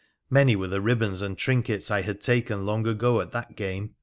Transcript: Many were the ribbons and trinkets I had taken long ago at that game.